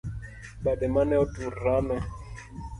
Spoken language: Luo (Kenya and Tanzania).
Bade mane otur rame